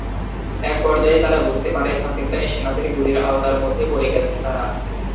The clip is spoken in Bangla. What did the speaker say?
একপর্যায়ে তাঁরা বুঝতে পারেন, পাকিস্তানি সেনাদের গুলির আওতার মধ্যে পড়ে গেছেন তাঁরা।